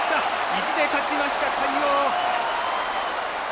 意地で勝ちました魁皇。